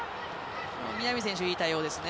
南選手いい対応ですね。